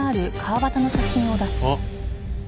あっ。